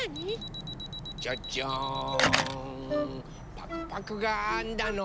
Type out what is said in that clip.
パクパクがあんだの。